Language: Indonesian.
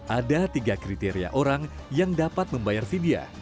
ada tiga kriteria orang yang dapat membayar vidya